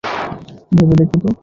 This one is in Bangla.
ভেবে দেখো তো?